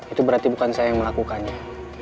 itu berarti bukan saya yang melakukannya